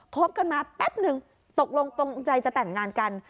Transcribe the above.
คบกันมาแป๊บนึงตกลงตรงใจจะแต่งงานกัน